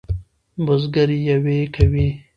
بزگر یویې کوي.